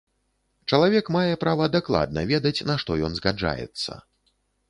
Чалавек мае права дакладна ведаць, на што ён згаджаецца.